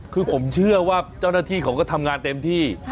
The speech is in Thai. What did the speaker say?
คือผมเชื่อว่าเจ้าหน้าที่เขาก็ทำงานเต็มที่